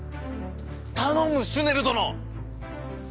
頼むシュネル殿！